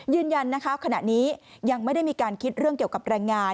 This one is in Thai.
ยืนยันนะคะขณะนี้ยังไม่ได้มีการคิดเรื่องเกี่ยวกับแรงงาน